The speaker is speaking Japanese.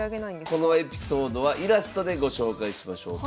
このエピソードはイラストでご紹介しましょう。